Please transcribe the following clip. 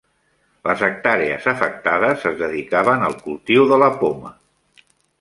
Les hectàrees afectades es dedicaven al cultiu de la poma